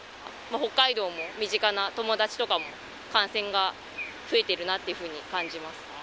北海道も身近な友達とかも感染が増えてるなっていうふうに感じます。